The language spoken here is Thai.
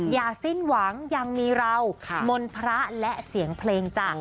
สิ้นหวังยังมีเรามนต์พระและเสียงเพลงจ้ะ